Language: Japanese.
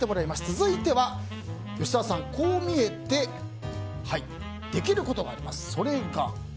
続いては吉沢さん、こう見えてできることがあります。